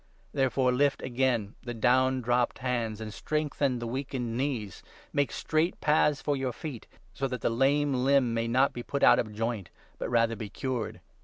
Therefore 'lift again the down 12 dropped hands, and straighten the weakened knees ; make 13 straight paths for your feet,' so that the lame limb may not be put out of joint, but rather be cured.